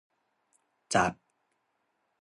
จัด